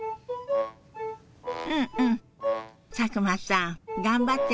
うんうん佐久間さん頑張ってんのね。